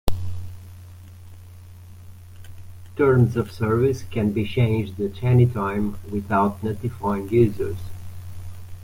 Terms of service can be changed at any time without notifying users.